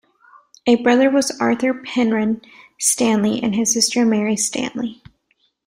A brother was Arthur Penrhyn Stanley and his sister Mary Stanley.